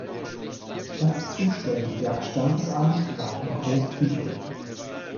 Das zuständiger Standesamt war in Groß Tychow.